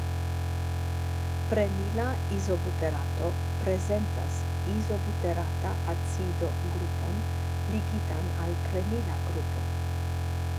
Prenila izobuterato prezentas Izobuterata acido grupon ligitan al prenila grupo.